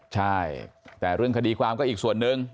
ใช่แต่เรื่องคดีความก็อีกส่วนหนึ่ง